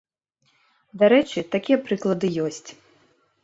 Дарэчы, такія прыклады ёсць.